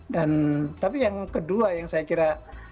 dan tapi yang kedua yang saya kira